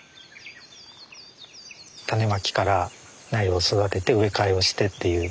種まきから苗を育てて植え替えをしてっていう。